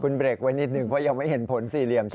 คุณเบรกไว้นิดหนึ่งเพราะยังไม่เห็นผลสี่เหลี่ยม